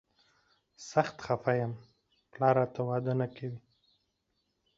سخت خفه یم، پلار راته واده نه کوي.